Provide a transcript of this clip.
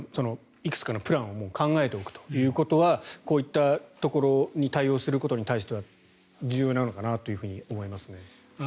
いくつかのプランを考えておくということはこういったところに対応することに対しては重要なのかなと思います。